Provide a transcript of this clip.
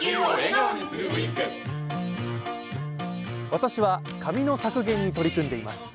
私は、紙の削減に取り組んでいます。